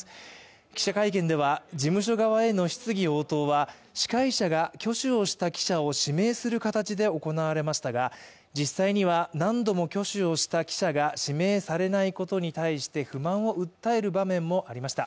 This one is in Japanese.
記者会見では事務所側への質疑応答者は、司会者が挙手を示した記者を指名する形で行われましたが実際には何度も挙手をした記者が指名されないことに対して不満を訴える場面もありました。